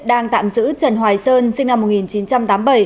đang tạm giữ trần hoài sơn sinh năm một nghìn chín trăm tám mươi bảy